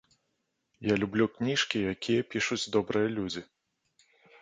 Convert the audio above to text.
Я люблю кніжкі, якія пішуць добрыя людзі.